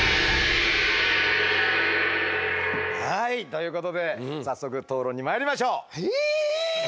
はいということで早速討論にまいりましょう。